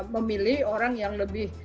memilih orang yang lebih